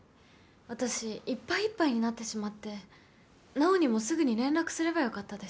私いっぱいいっぱいになってしまって奈緒にもすぐに連絡すればよかったです